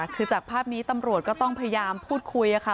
คือจากภาพนี้ตำรวจก็ต้องพยายามพูดคุยค่ะ